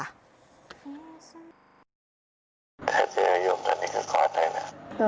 ถ้าเจออย่างนี้ก็กอดให้นะ